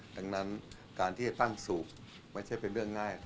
ดังนั้นการที่จะตั้งสูบไม่ใช่เป็นเรื่องง่าย